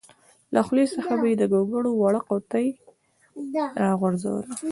له خولې څخه به یې د ګوګړو وړه قطۍ راوغورځوله.